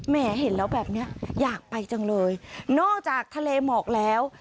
เห็นแล้วแบบเนี้ยอยากไปจังเลยนอกจากทะเลหมอกแล้ว